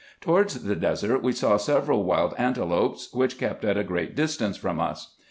Towards the desert we saw several wild ante lopes, which kept at a great distance from us.